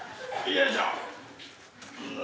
よいしょ！